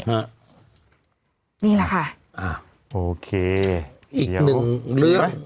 ครับมีนี่แหละค่ะอ่าโอเคอีกหนึ่งเนี้ย